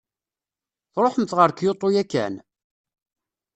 Tṛuḥemt ɣer Kyoto yakan?